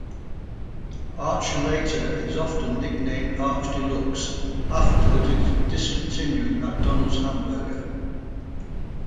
Archuleta is often nicknamed Arch Deluxe, after the discontinued McDonald's hamburger.